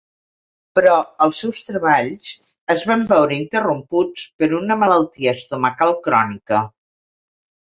Però els seus treballs es van veure interromputs per una malaltia estomacal crònica.